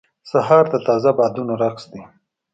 سهار د تازه بادونو رقص دی.